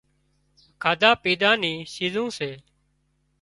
کاڌا پيڌا نِي شيزون سي